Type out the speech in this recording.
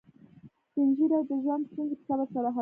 سپین ږیری د ژوند ستونزې په صبر سره حلوي